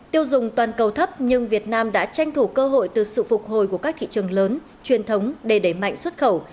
tiêu dùng toàn cầu thấp nhưng việt nam đã tranh thủ cơ hội từ sự phục hồi của các thị trường lớn truyền thống để đẩy mạnh xuất khẩu